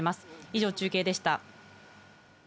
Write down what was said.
以上、中継でした。